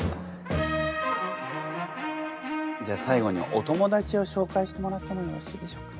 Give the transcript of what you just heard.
じゃあ最後にお友達をしょうかいしてもらってもよろしいでしょうか？